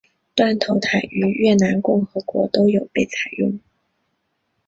断头台于越南共和国都有被采用。